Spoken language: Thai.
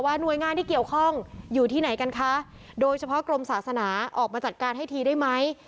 หน่วยงานที่เกี่ยวข้องอยู่ที่ไหนกันคะโดยเฉพาะกรมศาสนาออกมาจัดการให้ทีได้ไหม